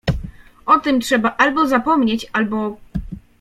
O tym trzeba albo zapomnieć, albo.